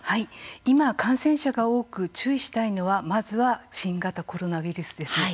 今、感染者が多く注意したいのはまずは、新型コロナウイルスです。